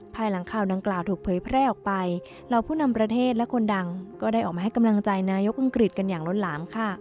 ภายหลังข่าวดังกล่าวถูกเผยแพร่ออกไปเหล่าผู้นำประเทศและคนดังก็ได้ออกมาให้กำลังใจนายกอังกฤษกันอย่างล้นหลามค่ะ